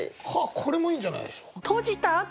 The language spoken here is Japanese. これもいいんじゃないでしょうか。